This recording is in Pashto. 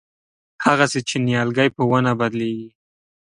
هغسې چې نیالګی په ونې بدلېږي.